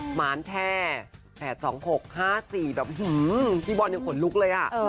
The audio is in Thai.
หมานแท่๘๒๖๕๔แบบพี่บอลยังขนลุกเลยอ่ะ